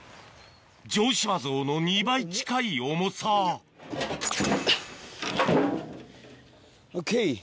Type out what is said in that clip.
城島像の２倍近い重さＯＫ。